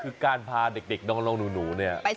คือการพาเด็กน้องหนูเนี่ย